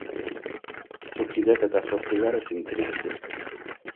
Su chi depet afortigare s’intritzu.